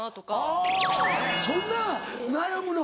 あぁそんな悩むの？